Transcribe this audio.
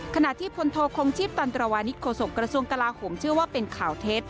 ขณะที่พลโทคงชีพตันตรวานิสโฆษกระทรวงกลาโหมเชื่อว่าเป็นข่าวเท็จ